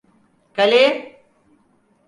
Kaleye!